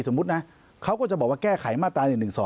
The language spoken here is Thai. สมมุตินะเขาก็จะบอกว่าแก้ไขมาตรา๑๑๒